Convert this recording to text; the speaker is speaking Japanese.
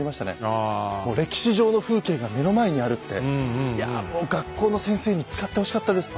もう歴史上の風景が目の前にあるっていやもう学校の先生に使ってほしかったです。